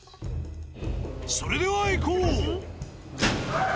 それではいこう。